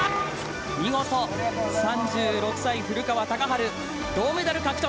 見事、３６歳、古川高晴、銅メダル獲得。